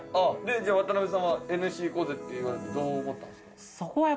じゃあ渡邊さんはＮＳＣ行こうぜって言われてどう思ったんですか？